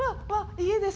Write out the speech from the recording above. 家です。